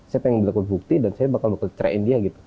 saya pengen dilakukan bukti dan saya bakal kecerain dia gitu